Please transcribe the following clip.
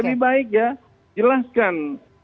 lebih baik ya jelaskan